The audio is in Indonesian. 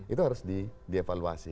itu harus dievaluasi